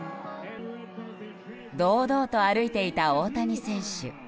堂々と歩いていた大谷選手。